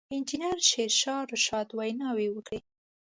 انجنیر شېرشاه رشاد ویناوې وکړې.